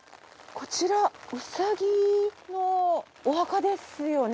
こちらウサギのお墓ですよね？